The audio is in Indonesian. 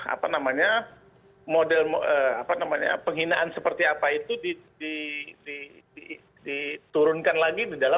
apa namanya model apa namanya penghinaan seperti apa itu diturunkan lagi di dalam